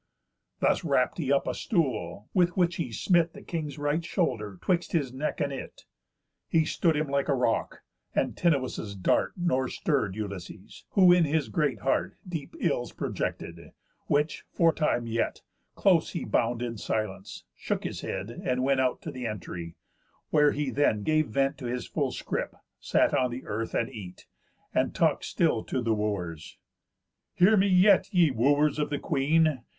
Thus rapt he up a stool, with which he smit The king's right shoulder, 'twixt his neck and it. He stood him like a rock. Antinous' dart Nor stirr'd Ulysses; who in his great heart Deep ills projected, which, for time yet, close He bound in silence, shook his head, and went Out to the entry, where he then gave vent To his full scrip, sat on the earth, and eat, And talk'd still to the Wooers: "Hear me yet, Ye Wooers of the Queen.